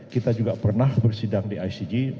kita juga pernah bersidang di icg